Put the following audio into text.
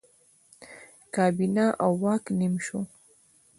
کابینه او واک نیم شو.